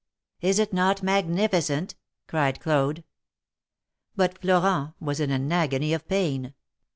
" Is it not magnificent ?" cried Claude. But Florent was in an agony of pain.